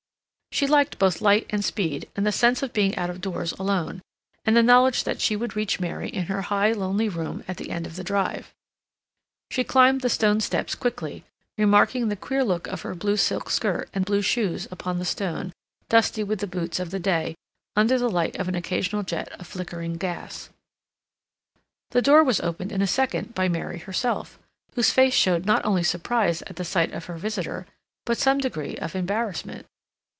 She liked both light and speed, and the sense of being out of doors alone, and the knowledge that she would reach Mary in her high, lonely room at the end of the drive. She climbed the stone steps quickly, remarking the queer look of her blue silk skirt and blue shoes upon the stone, dusty with the boots of the day, under the light of an occasional jet of flickering gas. The door was opened in a second by Mary herself, whose face showed not only surprise at the sight of her visitor, but some degree of embarrassment.